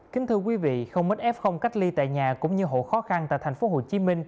kính thưa quý vị không mất f cách ly tại nhà cũng như hộ khó khăn tại tp hcm